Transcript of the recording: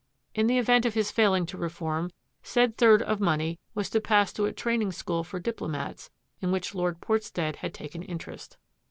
In the event of his failing to reform, said third of money was to pass to a training school for diplomats in which Lord Port stead had taken interest.